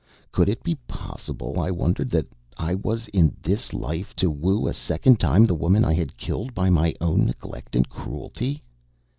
Could it be possible, I wondered, that I was in this life to woo a second time the woman I had killed by my own neglect and cruelty?